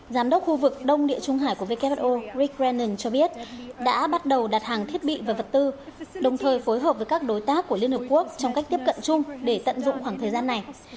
giám đốc khu vực đông địa trung hải của who rich bran cho biết đã bắt đầu đặt hàng thiết bị và vật tư đồng thời phối hợp với các đối tác của liên hợp quốc trong cách tiếp cận chung để tận dụng khoảng thời gian này